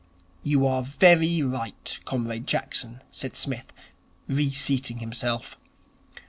'You are very right, Comrade Jackson,' said Psmith, reseating himself.